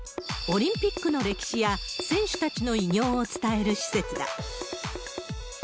オリンピックの歴史や選手たちの偉業を伝える施設だ。